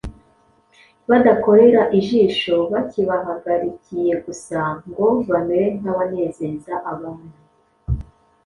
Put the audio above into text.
badakorera ijisho bakibahagarikiye gusa, ngo bamere nk’abanezeza abantu,